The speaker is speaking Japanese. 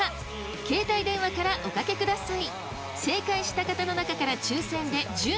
携帯電話からおかけください。